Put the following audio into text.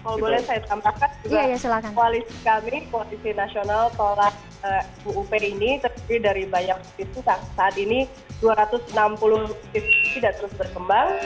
kalau boleh saya tambahkan juga kualis kami komisi nasional tolak uup ini terdiri dari banyak bisnis yang saat ini dua ratus enam puluh bisnis sudah terus berkembang